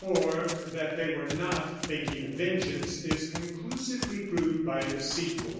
For, that they were not thinking of vengeance, is conclusively proved by the sequel.